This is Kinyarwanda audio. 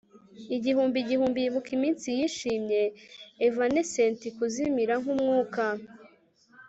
Igihumbi igihumbi yibuka iminsi yishimye evanescent kuzimira nkumwuka